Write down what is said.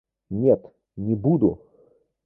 Нет, не буду!